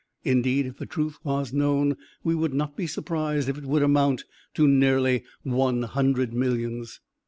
Indeed, if the truth was known, we would not be surprised if it would amount to nearly one hundred millions.